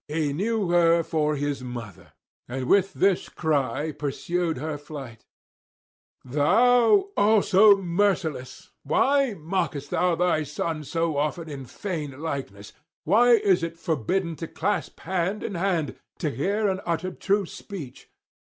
He knew her for his mother, and with this cry pursued her flight: 'Thou also merciless! Why mockest thou thy son so often in feigned likeness? Why is it forbidden to clasp hand in hand, to hear and utter true speech?'